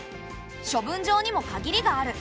処分場にも限りがある。